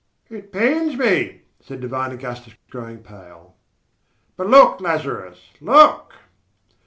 "It pains me," said divine Augustus, growing pale; "but look, Lazarus, look!"